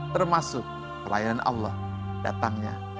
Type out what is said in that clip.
termasuk pelayanan allah datangnya